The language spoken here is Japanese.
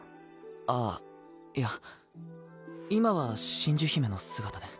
あっいや今は真珠姫の姿で。